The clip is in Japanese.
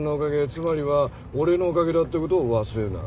つまりは俺のおかげだってことを忘れるな。